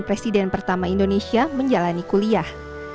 presiden pertama indonesia menjalani kuliah